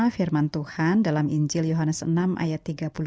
firman tuhan dalam injil yohanes enam ayat tiga puluh lima